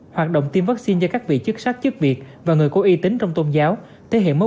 hoạt động tiêm vaccine cho các vị chức sát chức việc và người cố y tín trong tôn giáo thể hiện mối